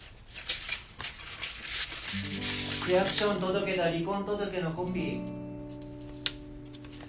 ・区役所に届けた離婚届のコピー。